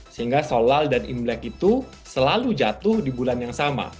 sehingga sholal dan imlek itu selalu jatuh di bulan yang sama